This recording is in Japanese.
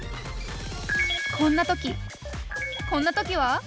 こんな時こんな時は？